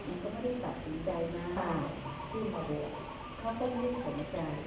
พ่อพี่เขาไม่ได้ตัดสินใจมากพี่พ่อเด็กเขาก็ไม่ได้สนใจ